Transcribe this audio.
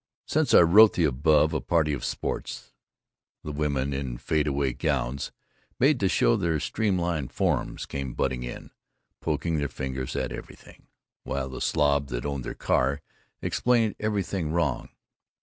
Since I wrote the above a party of sports, the women in fade away gowns made to show their streamline forms came butting in, poking their fingers at everything, while the slob that owned their car explained everything wrong.